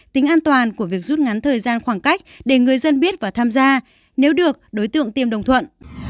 tính an toàn của việc rút ngắn thời gian khoảng cách để người dân biết và tham gia nếu được đối tượng tiêm đồng thuận